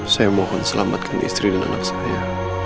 saya mohon selamatkan istri dan anak saya